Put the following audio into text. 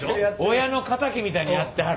親の敵みたいにやってはる。